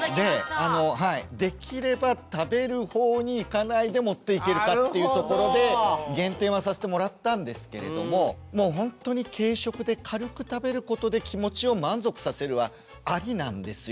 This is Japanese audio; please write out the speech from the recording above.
できれば食べるほうにいかないでもっていけるかっていうところで減点はさしてもらったんですけれどももうほんとに軽食で軽く食べることで気持ちを満足させるはありなんですよ。